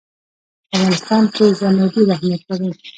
په افغانستان کې ژمی ډېر اهمیت لري.